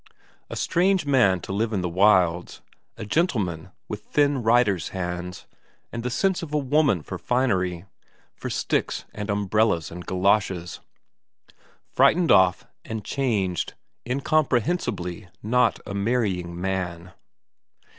A strange man to live in the wilds; a gentleman with thin writer's hands, and the sense of a woman for finery; for sticks and umbrellas and galoshes. Frightened off, and changed, incomprehensibly not a marrying man.